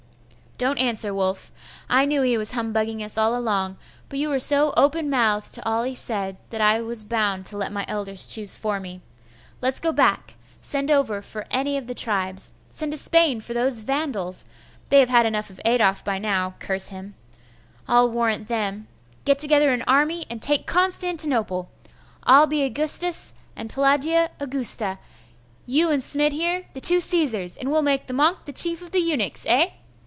Don't answer, Wulf. I knew he was humbugging us all along, but you were so open mouthed to all he said, that I was bound to let my elders choose for me. Let's go back; send over for any of the tribes; send to Spain for those Vandals they have had enough of Adolf by now, curse him! I'll warrant them; get together an army, and take Constantinople. I'll be Augustus, and Pelagia, Augusta; you and Smid here, the two Caesars; and we'll make the monk the chief of the eunuchs, eh?